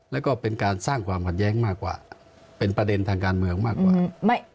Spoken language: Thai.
แล้วก็เป็นการสร้างความขัดแย้งมากกว่าเป็นประเด็นทางการเมืองมากกว่า